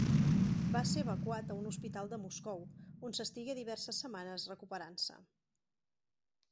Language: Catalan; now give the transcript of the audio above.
Va ser evacuat a un hospital de Moscou, on s'estigué diverses setmanes recuperant-se.